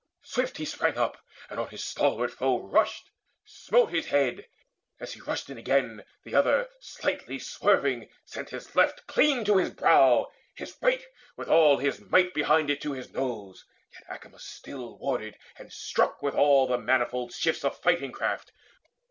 Swift he sprang up, and on his stalwart foe Rushed, smote his head: as he rushed in again, The other, slightly swerving, sent his left Clean to his brow; his right, with all his might Behind it, to his nose. Yet Acamas still Warded and struck with all the manifold shifts Of fighting craft.